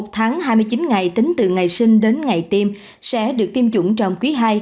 một mươi một tháng hai mươi chín ngày tính từ ngày sinh đến ngày tiêm sẽ được tiêm chủng trong quý hai